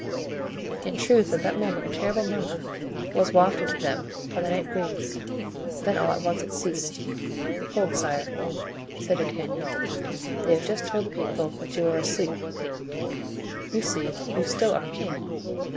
In truth at that moment a terrible murmur was wafted to them by the night breeze; then all at once it ceased. "Hold, sire," said D'Artagnan, "they have just told the people that you are asleep; you see, you still are king."